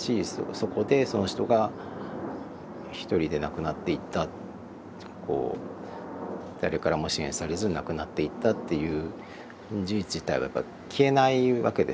そこでその人が一人で亡くなっていった誰からも支援されず亡くなっていったっていう事実自体は消えないわけですよ。